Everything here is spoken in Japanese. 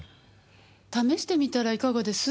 試してみたらいかがです？